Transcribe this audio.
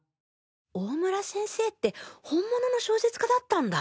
大村先生って本物の小説家だったんだ。